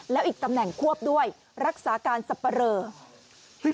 แล้วอีกตำแหน่งควบด้วยรักษาการสับปะเรอ